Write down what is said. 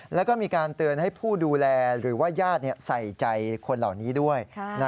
แล้วก็มีการเตือนให้ผู้ดูแลหรือว่าญาติใส่ใจคนเหล่านี้ด้วย